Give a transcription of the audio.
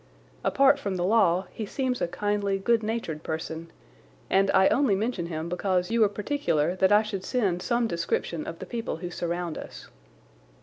Apart from the law he seems a kindly, good natured person, and I only mention him because you were particular that I should send some description of the people who surround us.